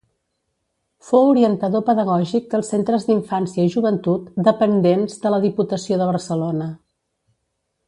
Fou orientador pedagògic dels centres d’infància i joventut dependents de la Diputació de Barcelona.